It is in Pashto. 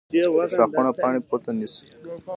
ښاخونه پاڼې پورته نیسي